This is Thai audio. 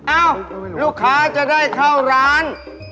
เอ้าลูกค้าจะได้เข้าร้าน